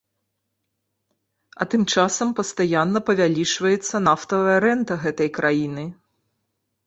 А тым часам пастаянна павялічваецца нафтавая рэнта гэтай краіны.